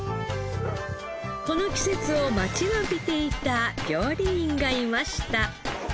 この季節を待ちわびていた料理人がいました。